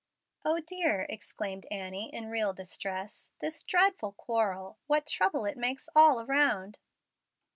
"O dear!" exclaimed Annie, in real distress, "this dreadful quarrel! What trouble it makes all around!"